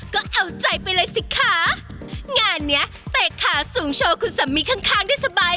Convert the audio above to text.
ก็เอาใจไปเลยสิคะงานเนี้ยเตะขาสูงโชว์คุณสามีข้างข้างได้สบาย